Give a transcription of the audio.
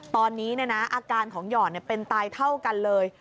ตอนนี้อาการของหยอดเป็นตายเท่ากันเลย